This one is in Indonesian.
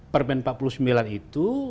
permen empat puluh sembilan itu